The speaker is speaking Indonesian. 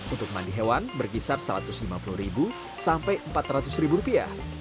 untuk mandi hewan berkisar satu ratus lima puluh sampai empat ratus rupiah